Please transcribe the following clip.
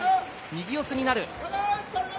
右四つになる。